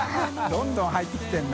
どんどん入ってきてる。